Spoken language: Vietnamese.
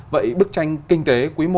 vậy bức tranh kinh tế quý một